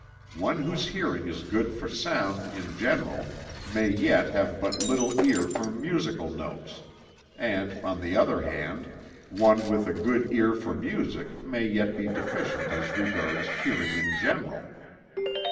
One whose hearing is good for sound in general may yet have but little ear for musical tones; and, on the other hand, one with a good ear for music may yet be deficient as regards hearing in general."